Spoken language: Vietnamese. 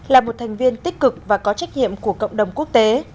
là một thành viên tích cực và có trách nhiệm của cộng đồng quốc tế